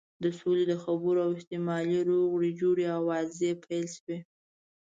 د سولې د خبرو او احتمالي روغې جوړې آوازې پیل شوې.